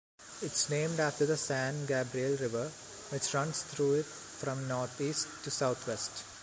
It’s named after the San Gabriel river, which runs through it from north-east to south-west.